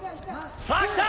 さあ、きた。